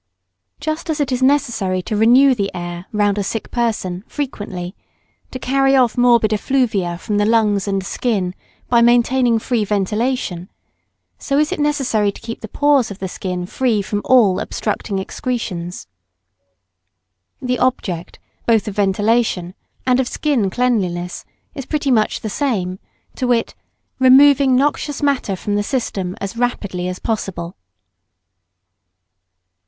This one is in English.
Just as it is necessary to renew the air round a sick person frequently, to carry off morbid effluvia from the lungs and skin, by maintaining free ventilation, so is it necessary to keep the pores of the skin free from all obstructing excretions. The object, both of ventilation and of skin cleanliness, is pretty much the same, to wit, removing noxious matter from the system as rapidly as possible.